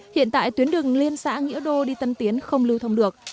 hiện tại tuyến đường liên xã nghĩa đô đi tân tiến không lưu thông được